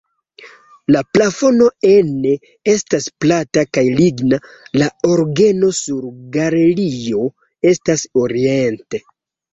La plafono ene estas plata kaj ligna, la orgeno sur galerio estas oriente.